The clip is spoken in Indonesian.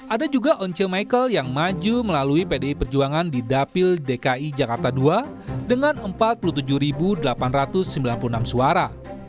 ada juga once michael yang maju melalui pdi perjuangan di dapil dki jakarta ii dengan empat puluh tujuh delapan ratus sembilan puluh enam suara